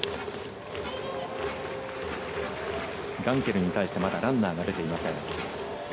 ガンケルに対してはまだランナーが出せていません。